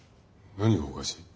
何がおかしい？